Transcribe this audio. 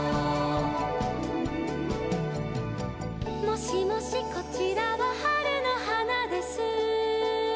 「もしもしこちらは春の花です」